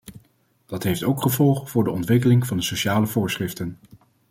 Dat heeft ook gevolgen voor de ontwikkeling van de sociale voorschriften.